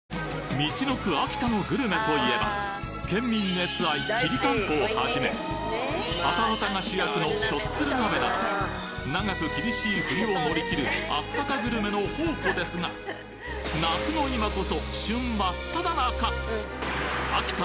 みちのく秋田のグルメといえば県民熱愛きりたんぽをはじめハタハタが主役のしょっつる鍋など長く厳しい冬を乗り切るあったかグルメの宝庫ですが夏の今こそ旬真っ只中！